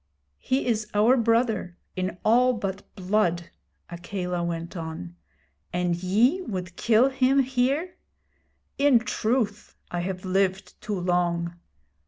'He is our brother in all but blood,' Akela went on; 'and ye would kill him here! In truth, I have lived too long.